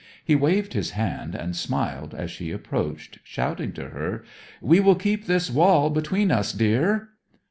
He waved his hand, and smiled as she approached, shouting to her: 'We will keep this wall between us, dear.'